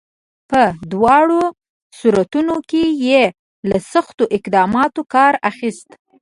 په دواړو صورتونو کې یې له سختو اقداماتو کار اخیست.